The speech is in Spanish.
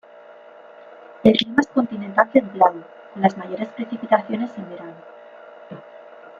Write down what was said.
El clima es continental templado, con las mayores precipitaciones en verano.